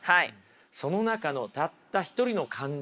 その中のたった一人の感情。